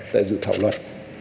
tại dự thảo luật